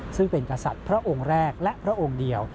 ซึ่งเป็นกษัตริย์พระองค์แรกและพระองค์เดียว